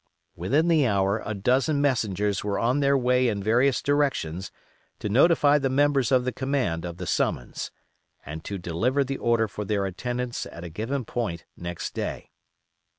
Within the hour a dozen messengers were on their way in various directions to notify the members of the command of the summons, and to deliver the order for their attendance at a given point next day.